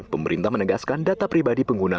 pemerintah menegaskan data pribadi pengguna